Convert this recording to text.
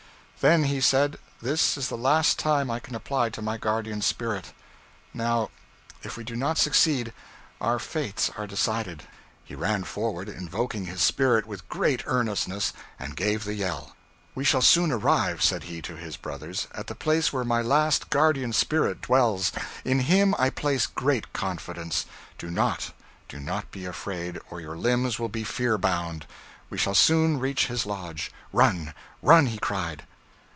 'Then,' he said, 'this is the last time I can apply to my guardian spirit. Now, if we do not succeed, our fates are decided.' He ran forward, invoking his spirit with great earnestness, and gave the yell. 'We shall soon arrive,' said he to his brothers, 'at the place where my last guardian spirit dwells. In him I place great confidence. Do not, do not be afraid, or your limbs will be fear bound. We shall soon reach his lodge. Run, run,' he cried.